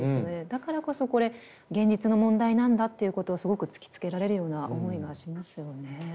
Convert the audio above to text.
だからこそこれ現実の問題なんだっていうことをすごく突きつけられるような思いがしますよね。